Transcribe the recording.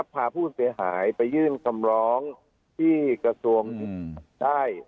พาผู้เสียหายไปยื่นคำร้องที่กระทรวงได้